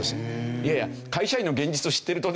いやいや会社員の現実を知ってるとですね